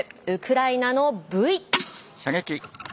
ウクライナのブイ。